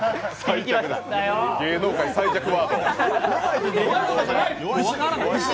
芸能界最弱ワード。